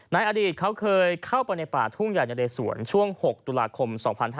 อดีตเขาเคยเข้าไปในป่าทุ่งใหญ่นะเรสวนช่วง๖ตุลาคม๒๕๕๙